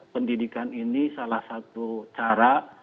pendidikan ini salah satu cara